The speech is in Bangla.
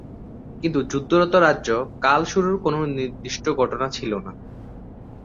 কিন্তু যুদ্ধরত রাজ্য কাল শুরুর কোন নির্দিষ্ট ঘটনা ছিল না।